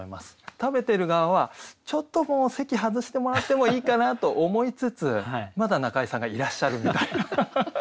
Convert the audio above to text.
食べてる側はちょっともう席外してもらってもいいかなと思いつつまだ仲居さんがいらっしゃるみたいな。